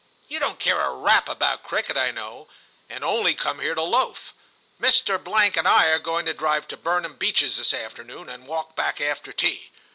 You don't care a rap about cricket, I know, and only come here to loaf. Mr. and I are going to drive to Burnham Beeches this afternoon, and walk back after tea.